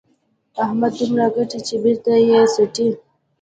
احمد دومره ګټي چې بېرته یې څټي.